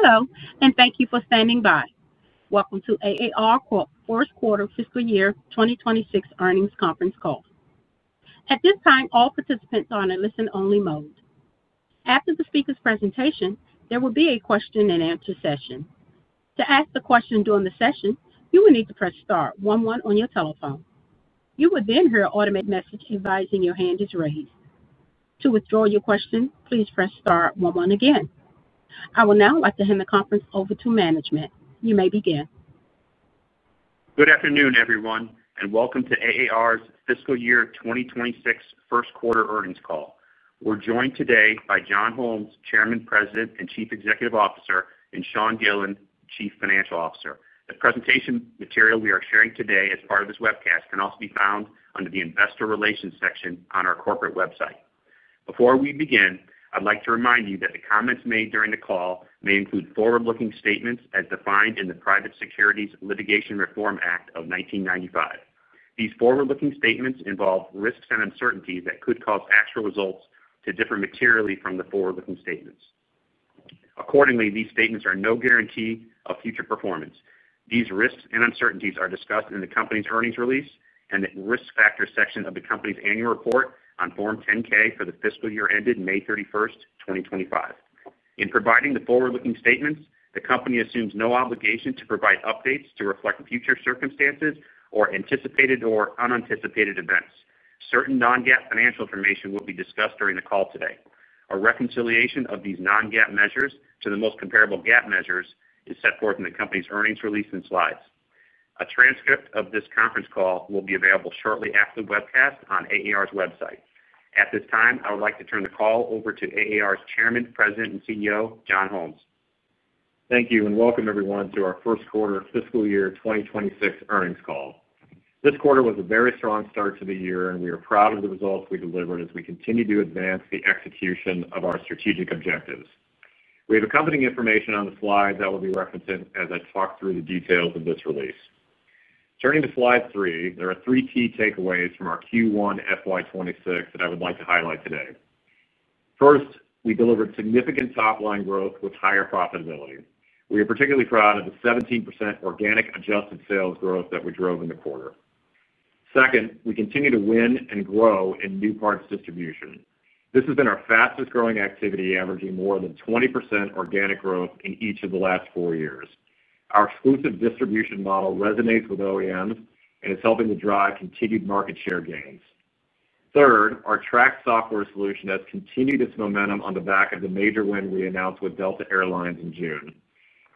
Hello, and thank you for standing by. Welcome to AAR Fourth Quarter Fiscal Year 2026 Earnings Conference Call. At this time, all participants are in a listen-only mode. After the speaker's presentation, there will be a question-and-answer session. To ask a question during the session, you will need to press star one one on your telephone. You will then hear an automated message advising your hand is raised. To withdraw your question, please press star one one again. I would now like to hand the conference over to management. You may begin. Good afternoon, everyone, and welcome to AAR's Fiscal Year 2026 First Quarter Earnings Call. We're joined today by John Holmes, Chairman, President, and Chief Executive Officer, and Sean Gillen, Chief Financial Officer. The presentation material we are sharing today as part of this webcast can also be found under the Investor Relations section on our corporate website. Before we begin, I'd like to remind you that the comments made during the call may include forward-looking statements as defined in the Private Securities Litigation Reform Act of 1995. These forward-looking statements involve risks and uncertainties that could cause actual results to differ materially from the forward-looking statements. Accordingly, these statements are no guarantee of future performance. These risks and uncertainties are discussed in the company's earnings release and the risk factor section of the company's annual report on Form 10-K for the fiscal year ended May 31, 2025. In providing the forward-looking statements, the company assumes no obligation to provide updates to reflect future circumstances or anticipated or unanticipated events. Certain non-GAAP financial information will be discussed during the call today. A reconciliation of these non-GAAP measures to the most comparable GAAP measures is set forth in the company's earnings release and slides. A transcript of this conference call will be available shortly after the webcast on AAR's website. At this time, I would like to turn the call over to AAR's Chairman, President, and CEO, John Holmes. Thank you and welcome, everyone, to our First Quarter Fiscal Year 2026 Earnings Call. This quarter was a very strong start to the year, and we are proud of the results we delivered as we continue to advance the execution of our strategic objectives. We have accompanying information on the slides that will be referenced as I talk through the details of this release. Turning to slide three, there are three key takeaways from our Q1 FY2026 that I would like to highlight today. First, we delivered significant top-line growth with higher profitability. We are particularly proud of the 17% organic adjusted sales growth that we drove in the quarter. Second, we continue to win and grow in new parts distribution. This has been our fastest growing activity, averaging more than 20% organic growth in each of the last four years. Our exclusive distribution model resonates with OEMs and is helping to drive continued market share gains. Third, our Trax software solution has continued its momentum on the back of the major win we announced with Delta Air Lines in June.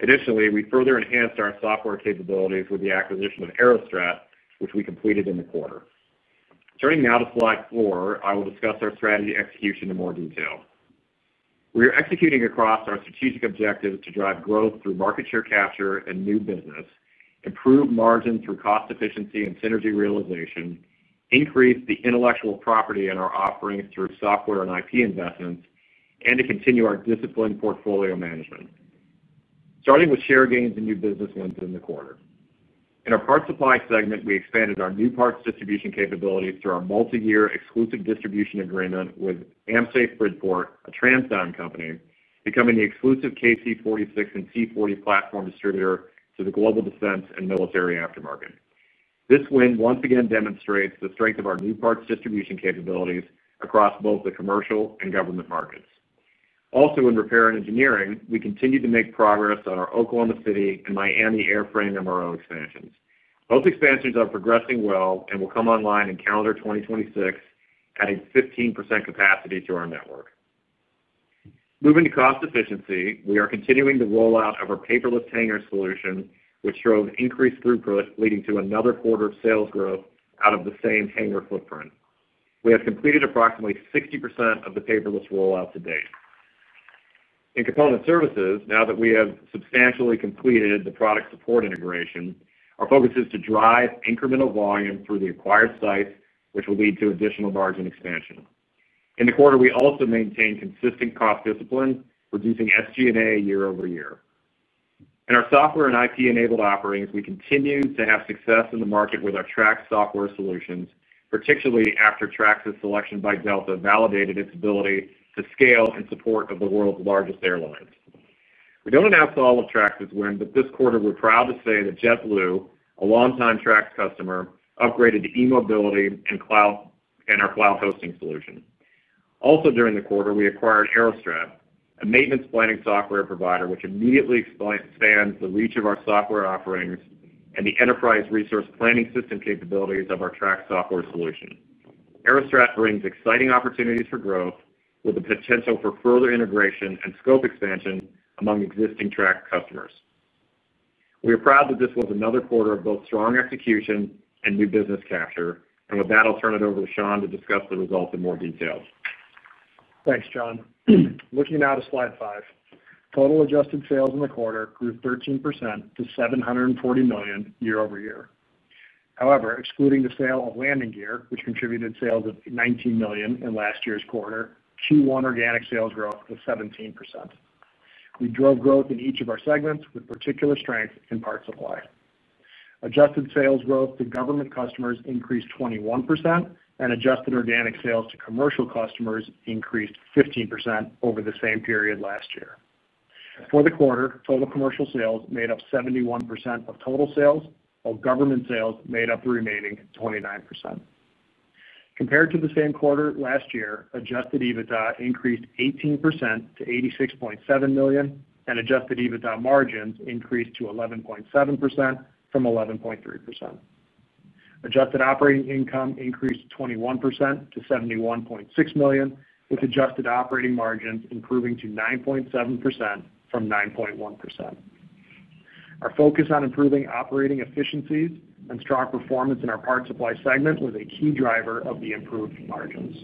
Additionally, we further enhanced our software capabilities with the acquisition of Aerostrat, which we completed in the quarter. Turning now to slide four, I will discuss our strategy execution in more detail. We are executing across our strategic objectives to drive growth through market share capture and new business, improve margins through cost efficiency and synergy realization, increase the intellectual property in our offerings through software and IP investments, and to continue our disciplined portfolio management. Starting with share gains and new business wins in the quarter, in our parts supply segment, we expanded our new parts distribution capabilities through our multi-year exclusive distribution agreement with AmSafe Bridport, a TransDigm company, becoming the exclusive KC-46 and C-40 platform distributor to the global defense and military aftermarket. This win once again demonstrates the strength of our new parts distribution capabilities across both the commercial and government markets. Also, in repair and engineering, we continue to make progress on our Oklahoma City and Miami Airframe MRO expansions. Both expansions are progressing well and will come online in calendar 2026, adding 15% capacity to our network. Moving to cost efficiency, we are continuing the rollout of our paperless hangar solution, which drove increased throughput, leading to another quarter of sales growth out of the same hangar footprint. We have completed approximately 60% of the paperless rollout to date. In component services, now that we have substantially completed the product support integration, our focus is to drive incremental volume through the acquired sites, which will lead to additional margin expansion. In the quarter, we also maintained consistent cost discipline, reducing SG&A year-over-year. In our software and IT enabled offerings, we continue to have success in the market with our Trax software solutions, particularly after Trax's selection by Delta validated its ability to scale and support the world's largest airlines. We don't announce all of Trax's wins, but this quarter we're proud to say that JetBlue, a longtime Trax customer, upgraded to e-mobility and our cloud hosting solution. Also during the quarter, we acquired Aerostrat, a maintenance planning software provider, which immediately expands the reach of our software offerings and the enterprise resource planning system capabilities of our Trax software solution. Aerostrat brings exciting opportunities for growth with the potential for further integration and scope expansion among existing Trax customers. We are proud that this was another quarter of both strong execution and new business capture, and with that, I'll turn it over to Sean to discuss the results in more detail. Thanks, John. Looking now to slide five, total adjusted sales in the quarter grew 13% to $740 million year-over-year. However, excluding the sale of landing gear, which contributed sales of $19 million in last year's quarter, Q1 organic sales growth is 17%. We drove growth in each of our segments with particular strength in parts supply. Adjusted sales growth to government customers increased 21%, and adjusted organic sales to commercial customers increased 15% over the same period last year. For the quarter, total commercial sales made up 71% of total sales, while government sales made up the remaining 29%. Compared to the same quarter last year, adjusted EBITDA increased 18% to $86.7 million, and adjusted EBITDA margins increased to 11.7% from 11.3%. Adjusted operating income increased 21% to $71.6 million, with adjusted operating margins improving to 9.7% from 9.1%. Our focus on improving operating efficiencies and strong performance in our parts supply segment was a key driver of the improved margins.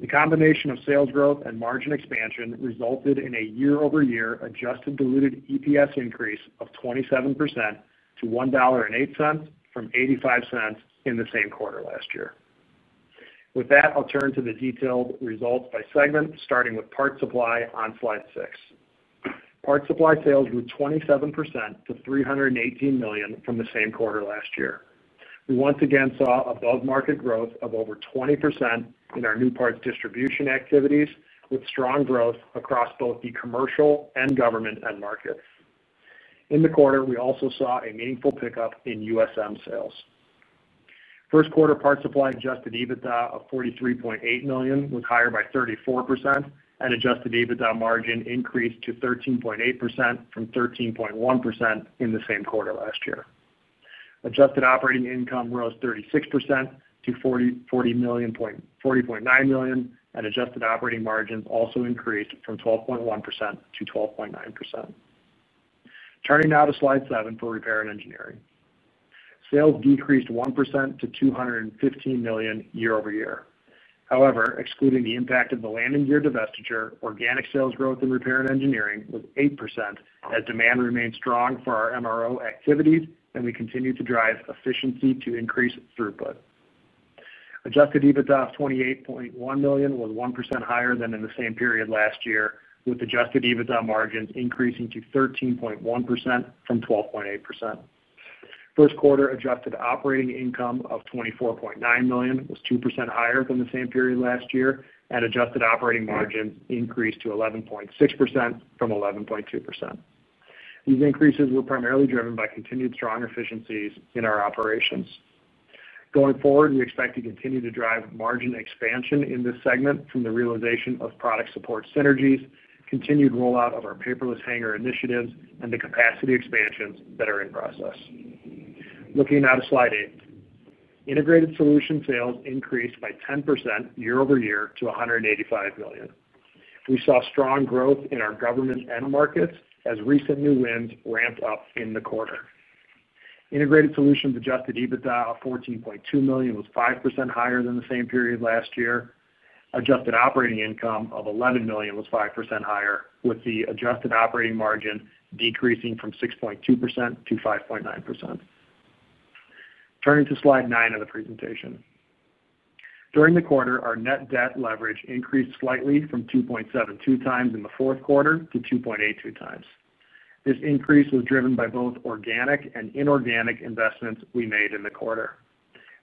The combination of sales growth and margin expansion resulted in a year-over-year adjusted diluted EPS increase of 27% to $1.08 from $0.85 in the same quarter last year. With that, I'll turn to the detailed results by segment, starting with parts supply on slide six. Parts supply sales grew 27% to $318 million from the same quarter last year. We once again saw above-market growth of over 20% in our new parts distribution activities, with strong growth across both the commercial and government end markets. In the quarter, we also saw a meaningful pickup in USM sales. First quarter parts supply adjusted EBITDA of $43.8 million was higher by 34%, and adjusted EBITDA margin increased to 13.8% from 13.1% in the same quarter last year. Adjusted operating income rose 36% to $40.9 million, and adjusted operating margins also increased from 12.1% to 12.9%. Turning now to slide seven for repair and engineering. Sales decreased 1% to $215 million year-over-year. However, excluding the impact of the landing gear divestiture, organic sales growth in repair and engineering was 8%, as demand remained strong for our MRO activities, and we continued to drive efficiency to increase throughput. Adjusted EBITDA of $28.1 million was 1% higher than in the same period last year, with adjusted EBITDA margins increasing to 13.1% from 12.8%. First quarter adjusted operating income of $24.9 million was 2% higher from the same period last year, and adjusted operating margin increased to 11.6% from 11.2%. These increases were primarily driven by continued strong efficiencies in our operations. Going forward, we expect to continue to drive margin expansion in this segment from the realization of product support synergies, continued rollout of our paperless hangar initiatives, and the capacity expansions that are in process. Looking now to slide eight. Integrated solution sales increased by 10% year-over-year to $185 million. We saw strong growth in our government end markets as recent new wins ramped up in the quarter. Integrated solutions adjusted EBITDA of $14.2 million was 5% higher than the same period last year. Adjusted operating income of $11 million was 5% higher, with the adjusted operating margin decreasing from 6.2% to 5.9%. Turning to slide nine of the presentation. During the quarter, our net debt leverage increased slightly from 2.72x in the fourth quarter to 2.82x. This increase was driven by both organic and inorganic investments we made in the quarter.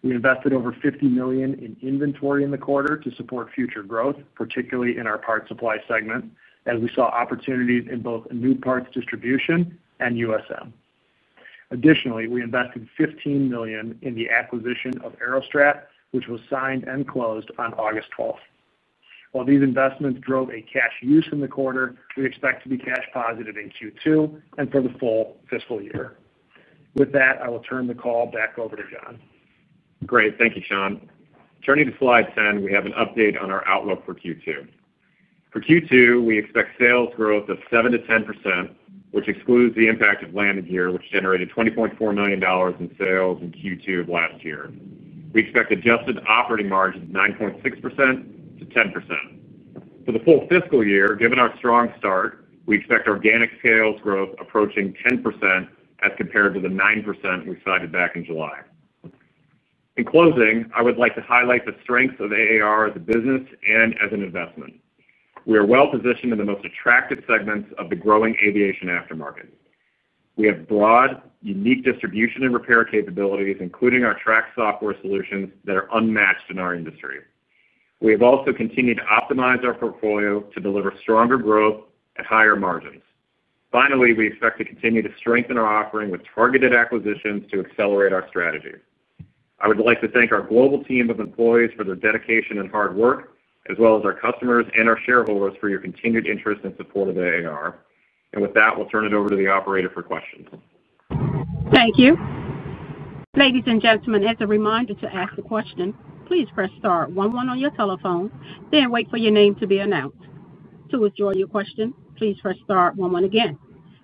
We invested over $50 million in inventory in the quarter to support future growth, particularly in our parts supply segment, as we saw opportunities in both new parts distribution and USM. Additionally, we invested $15 million in the acquisition of Aerostrat, which was signed and closed on August 12th. While these investments drove a cash use in the quarter, we expect to be cash positive in Q2 and for the full fiscal year. With that, I will turn the call back over to John. Great. Thank you, Sean. Turning to slide 10, we have an update on our outlook for Q2. For Q2, we expect sales growth of 7%-10%, which excludes the impact of landing gear, which generated $20.4 million in sales in Q2 of last year. We expect adjusted operating margin of 9.6%-10%. For the full fiscal year, given our strong start, we expect organic sales growth approaching 10% as compared to the 9% we cited back in July. In closing, I would like to highlight the strengths of AAR as a business and as an investment. We are well positioned in the most attractive segments of the growing aviation aftermarket. We have broad, unique distribution and repair capabilities, including our Trax software solutions that are unmatched in our industry. We have also continued to optimize our portfolio to deliver stronger growth at higher margins. Finally, we expect to continue to strengthen our offering with targeted acquisitions to accelerate our strategy. I would like to thank our global team of employees for their dedication and hard work, as well as our customers and our shareholders for your continued interest and support of AAR. With that, we'll turn it over to the operator for questions. Thank you. Ladies and gentlemen, as a reminder to ask a question, please press star one one on your telephone, then wait for your name to be announced. To withdraw your question, please press star one one again.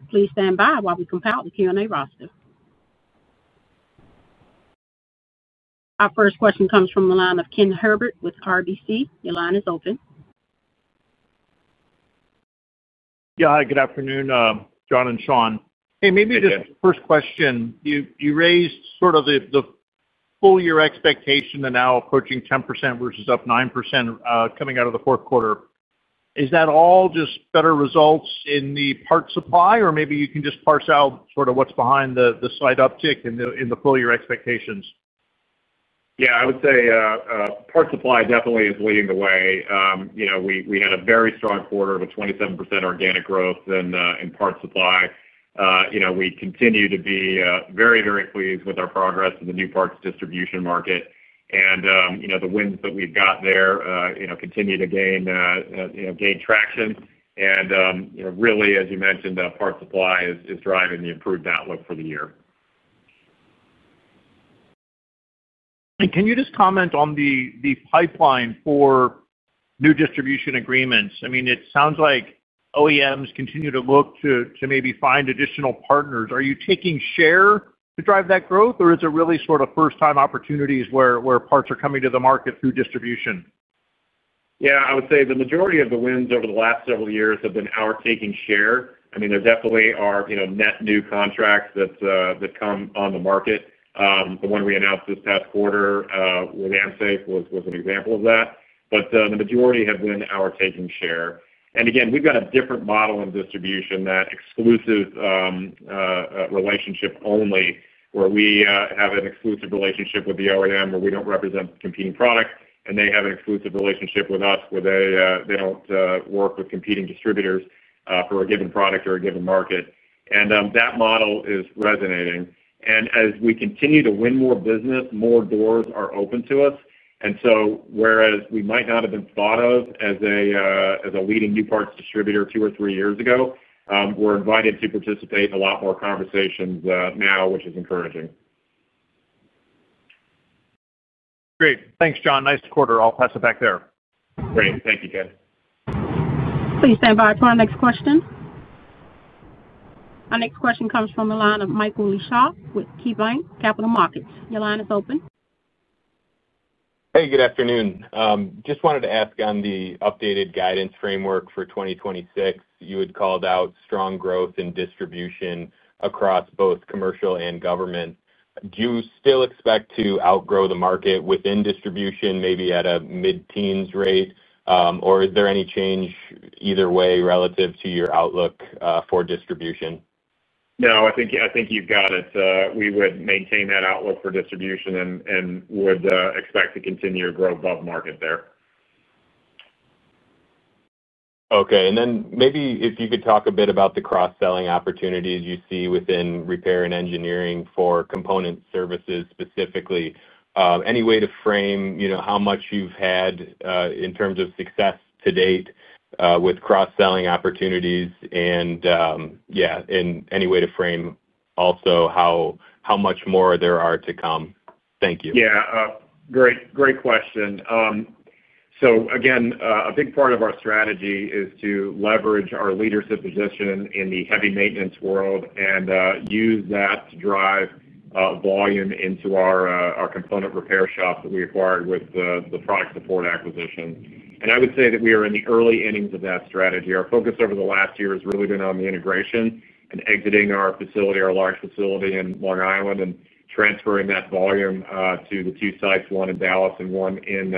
Please stand by while we compile the Q&A roster. Our first question comes from the line of Ken Herbert with RBC. Your line is open. Yeah, hi. Good afternoon, John and Sean. Maybe just first question. You raised sort of the full-year expectation and now approaching 10% versus up 9% coming out of the fourth quarter. Is that all just better results in the parts supply, or maybe you can just parse out sort of what's behind the slight uptick in the full-year expectations? Yeah, I would say parts supply definitely is leading the way. We had a very strong quarter with 27% organic growth in parts supply. We continue to be very, very pleased with our progress in the new parts distribution market. The wins that we've got there continue to gain traction. Really, as you mentioned, parts supply is driving the improved outlook for the year. Can you just comment on the pipeline for new distribution agreements? It sounds like OEMs continue to look to maybe find additional partners. Are you taking share to drive that growth, or is it really sort of first-time opportunities where parts are coming to the market through distribution? Yeah, I would say the majority of the wins over the last several years have been our taking share. There definitely are net new contracts that come on the market. The one we announced this past quarter with AmSafe was an example of that. The majority have been our taking share. We've got a different model in distribution, that exclusive relationship only, where we have an exclusive relationship with the OEM, where we don't represent competing products, and they have an exclusive relationship with us where they don't work with competing distributors for a given product or a given market. That model is resonating. As we continue to win more business, more doors are open to us. Whereas we might not have been thought of as a leading new parts distributor two or three years ago, we're invited to participate in a lot more conversations now, which is encouraging. Great. Thanks, John. Nice quarter. I'll pass it back there. Great. Thank you, Ken. Please stand by for our next question. Our next question comes from the line of Michael Leshock with KeyBanc Capital Markets. Your line is open. Hey, good afternoon. Just wanted to ask on the updated guidance framework for 2026. You had called out strong growth in distribution across both commercial and government. Do you still expect to outgrow the market within distribution, maybe at a mid-teens rate, or is there any change either way relative to your outlook for distribution? No, I think you've got it. We would maintain that outlook for distribution and would expect to continue to grow above market there. Okay. Maybe if you could talk a bit about the cross-selling opportunities you see within repair and engineering for component services specifically. Any way to frame how much you've had in terms of success to date with cross-selling opportunities, and any way to frame also how much more there are to come. Thank you. Yeah, great, great question. Again, a big part of our strategy is to leverage our leadership position in the heavy maintenance world and use that to drive volume into our component repair shops that we acquired with the product support acquisition. I would say that we are in the early innings of that strategy. Our focus over the last year has really been on the integration and exiting our facility, our large facility in Long Island, and transferring that volume to the two sites, one in Dallas and one in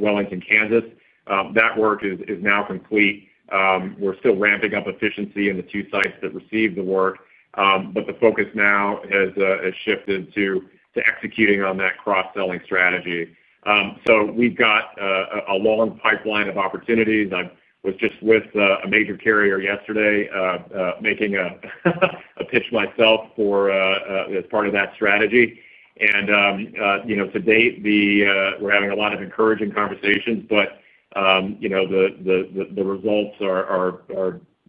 Wellington, Kansas. That work is now complete. We're still ramping up efficiency in the two sites that received the work. The focus now has shifted to executing on that cross-selling strategy. We've got a long pipeline of opportunities. I was just with a major carrier yesterday making a pitch myself as part of that strategy. To date, we're having a lot of encouraging conversations, but the results are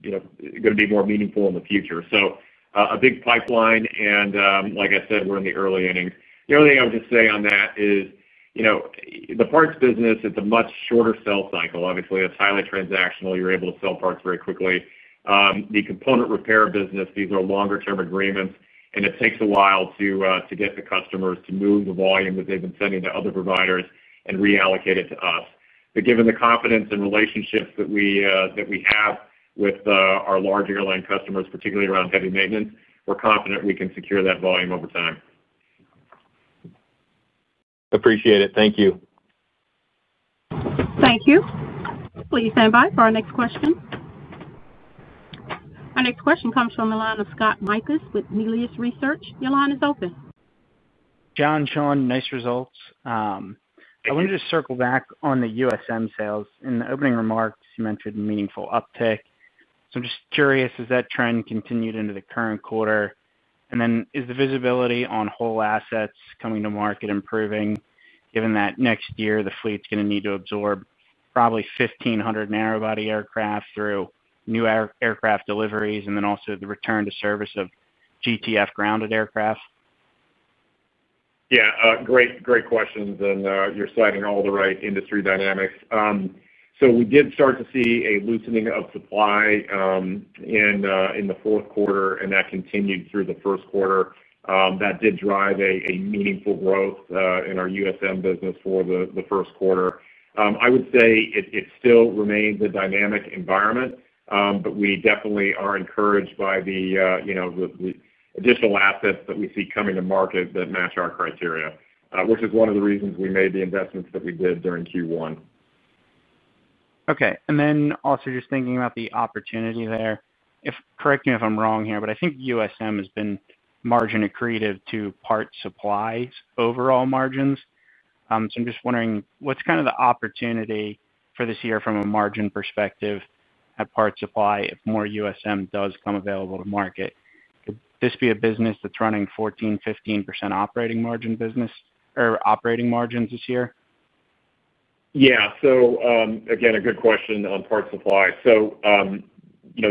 going to be more meaningful in the future. A big pipeline, and like I said, we're in the early innings. The only thing I would just say on that is the parts business, it's a much shorter sell cycle. Obviously, it's highly transactional. You're able to sell parts very quickly. The component repair business, these are longer-term agreements, and it takes a while to get the customers to move the volume that they've been sending to other providers and reallocate it to us. Given the confidence and relationships that we have with our large airline customers, particularly around heavy maintenance, we're confident we can secure that volume over time. Appreciate it. Thank you. Thank you. Please stand by for our next question. Our next question comes from the line of Scott Mikus with Melius Research. Your line is open. John, Sean, nice results. I wanted to just circle back on the USM sales. In the opening remarks, you mentioned meaningful uptick. I'm just curious, has that trend continued into the current quarter? Is the visibility on whole assets coming to market improving, given that next year the fleet's going to need to absorb probably 1,500 narrowbody aircraft through new aircraft deliveries and also the return to service of GTF grounded aircraft? Great questions, and you're citing all the right industry dynamics. We did start to see a loosening of supply in the fourth quarter, and that continued through the first quarter. That did drive meaningful growth in our USM business for the first quarter. I would say it still remains a dynamic environment, but we definitely are encouraged by the additional assets that we see coming to market that match our criteria, which is one of the reasons we made the investments that we did during Q1. Okay. Also, just thinking about the opportunity there, if correct me if I'm wrong here, but I think USM has been margin accretive to parts supply's overall margins. I'm just wondering, what's kind of the opportunity for this year from a margin perspective at parts supply if more USM does come available to market? Could this be a business that's running 14%, 15% operating margin business or operating margins this year? Yeah. A good question on parts supply.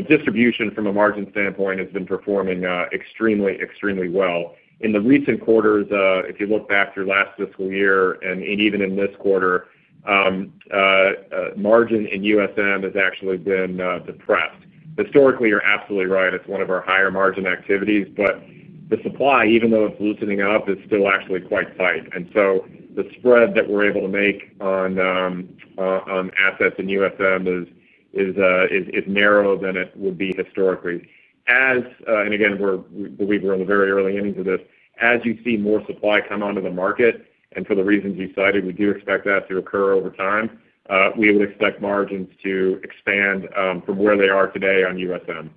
Distribution from a margin standpoint has been performing extremely, extremely well. In the recent quarters, if you look back through last fiscal year and even in this quarter, margin in USM has actually been depressed. Historically, you're absolutely right. It's one of our higher margin activities. The supply, even though it's loosening up, is still actually quite tight. The spread that we're able to make on assets in USM is narrower than it would be historically. We believe we're in the very early innings of this. As you see more supply come onto the market, and for the reasons you cited, we do expect that to occur over time, we would expect margins to expand from where they are today on USM.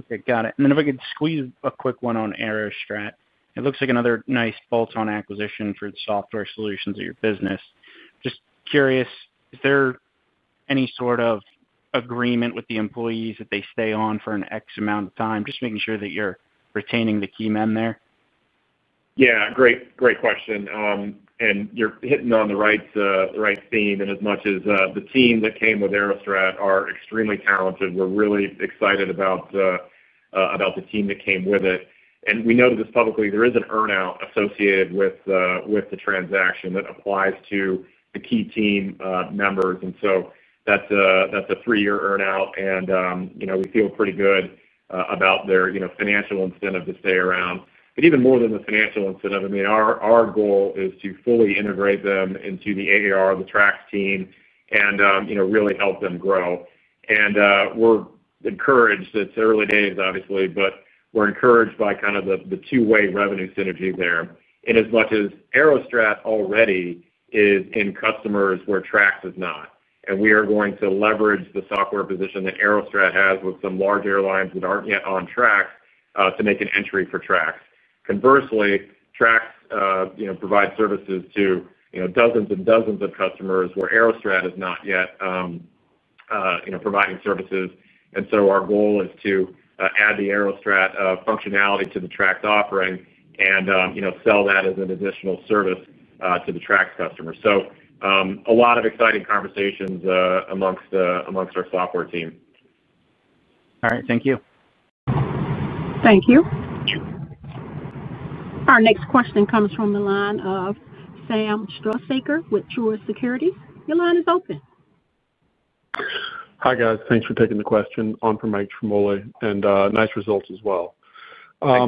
Okay. Got it. If I could squeeze a quick one on Aerostrat, it looks like another nice bolt-on acquisition for the software solutions of your business. Just curious, is there any sort of agreement with the employees that they stay on for an X amount of time, just making sure that you're retaining the key men there? Yeah, great, great question. You're hitting on the right theme in as much as the team that came with Aerostrat are extremely talented. We're really excited about the team that came with it. We noted this publicly, there is an earnout associated with the transaction that applies to the key team members. That's a three-year earnout. We feel pretty good about their financial incentive to stay around. Even more than the financial incentive, our goal is to fully integrate them into AAR, the Trax team, and really help them grow. We're encouraged, it's early days, obviously, but we're encouraged by kind of the two-way revenue synergy there. In as much as Aerostrat already is in customers where Trax is not, we are going to leverage the software position that Aerostrat has with some large airlines that aren't yet on Trax to make an entry for Trax. Conversely, Trax provides services to dozens and dozens of customers where Aerostrat is not yet providing services. Our goal is to add the Aerostrat functionality to the Trax offering and sell that as an additional service to the Trax customers. A lot of exciting conversations amongst our software team. All right. Thank you. Thank you. Our next question comes from the line of Samuel Struhsaker with Truist Securities. Your line is open. Hi guys. Thanks for taking the question. On from Mike from Moly and nice results as well. I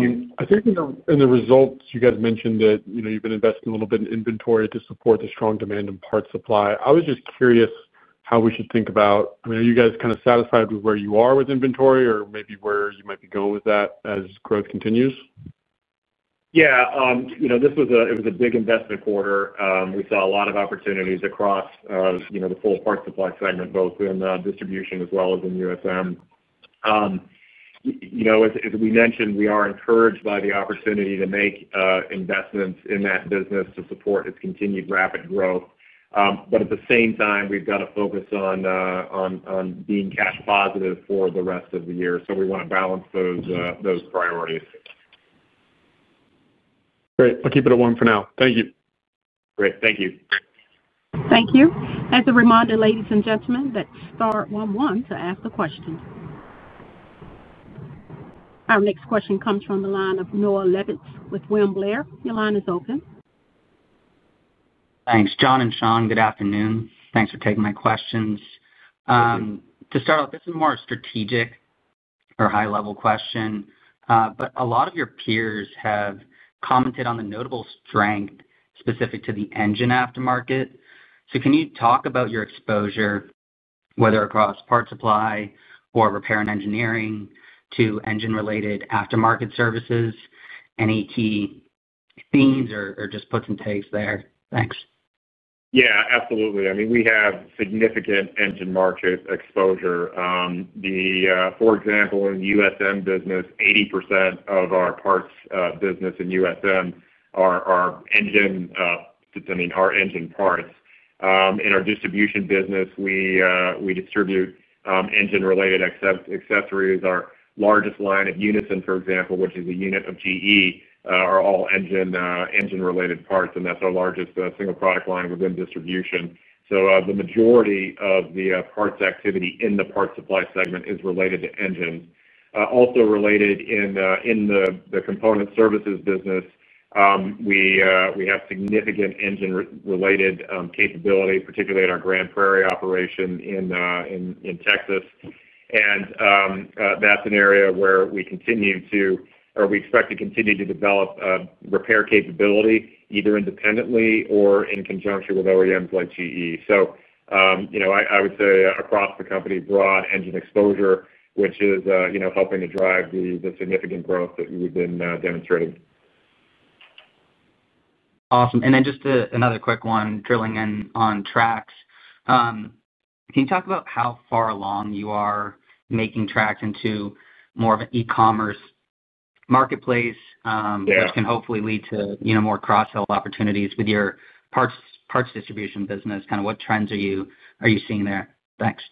think in the results, you guys mentioned that you've been investing a little bit in inventory to support the strong demand in parts supply. I was just curious how we should think about, I mean, are you guys kind of satisfied with where you are with inventory or maybe where you might be going with that as growth continues? Yeah. This was a big investment quarter. We saw a lot of opportunities across the full parts supply side in the VOC and distribution as well as in USM. As we mentioned, we are encouraged by the opportunity to make investments in that business to support its continued rapid growth. At the same time, we've got to focus on being cash positive for the rest of the year. We want to balance those priorities. Great. I'll keep it at one for now. Thank you. Great. Thank you. Thank you. As a reminder, ladies and gentlemen, that's star one one to ask a question. Our next question comes from the line of Noah Levitz with William Blair. Your line is open. Thanks, John and Sean. Good afternoon. Thanks for taking my questions. To start off, this is more a strategic or high-level question, but a lot of your peers have commented on the notable strength specific to the engine aftermarket. Can you talk about your exposure, whether across parts supply or repair and engineering, to engine-related aftermarket services, any key themes, or just put some takes there? Thanks. Yeah, absolutely. I mean, we have significant engine market exposure. For example, in the USM business, 80% of our parts business in USM are engine, I mean, are engine parts. In our distribution business, we distribute engine-related accessories. Our largest line at Unison, for example, which is a unit of GE, are all engine-related parts, and that's our largest single product line within distribution. The majority of the parts activity in the parts supply segment is related to engines. Also, in the component services business, we have significant engine-related capability, particularly in our Grand Prairie operation in Texas. That's an area where we continue to, or we expect to continue to develop repair capability, either independently or in conjunction with OEMs like GE. I would say across the company's broad engine exposure, which is helping to drive the significant growth that we've been demonstrating. Awesome. Just another quick one, drilling in on Trax. Can you talk about how far along you are making Trax into more of a digital marketplace, which can hopefully lead to more cross-sell opportunities with your parts distribution business? Kind of what trends are you seeing there? Thanks.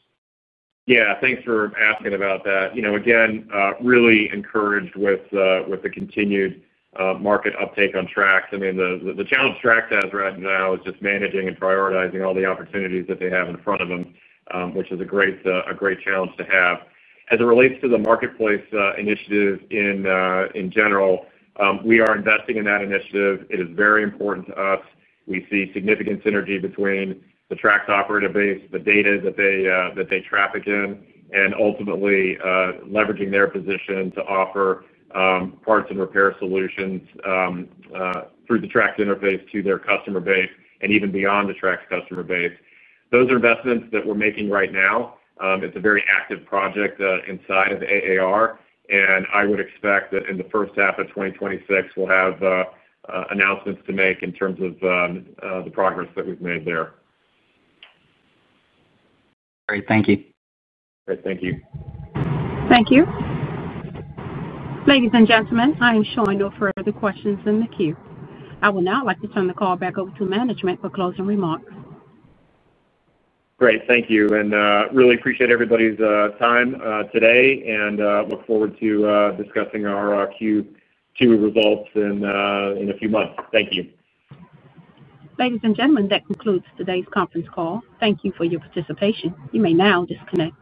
Yeah, thanks for asking about that. You know, again, really encouraged with the continued market uptake on Trax. I mean, the challenge Trax has right now is just managing and prioritizing all the opportunities that they have in front of them, which is a great challenge to have. As it relates to the marketplace initiative in general, we are investing in that initiative. It is very important to us. We see significant synergy between the Trax operator base, the data that they traffic in, and ultimately leveraging their position to offer parts and repair solutions through the Trax interface to their customer base and even beyond the Trax customer base. Those are investments that we're making right now. It's a very active project inside of AAR. I would expect that in the first half of 2026, we'll have announcements to make in terms of the progress that we've made there. Great, thank you. All right. Thank you. Thank you. Ladies and gentlemen, I am showing no further questions in the queue. I will now like to turn the call back over to management for closing remarks. Great. Thank you. I really appreciate everybody's time today and look forward to discussing our Q2 results in a few months. Thank you. Ladies and gentlemen, that concludes today's conference call. Thank you for your participation. You may now disconnect.